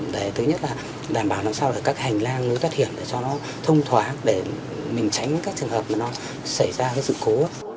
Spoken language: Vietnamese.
để thứ nhất là đảm bảo làm sao để các hành lang nối tắt hiểm để cho nó thông thoáng để mình tránh các trường hợp mà nó xảy ra sự cố